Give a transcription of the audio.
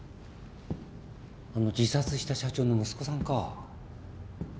あの自殺した社長の息子さんか。